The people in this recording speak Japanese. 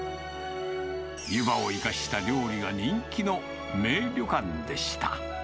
ゆばを生かした料理が人気の名旅館でした。